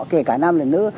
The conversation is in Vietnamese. kể cả nam là nữ